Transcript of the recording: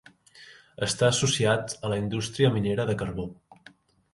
Està associat a la indústria minera de carbó.